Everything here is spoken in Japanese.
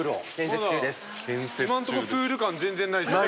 今のとこプール感全然ないですね。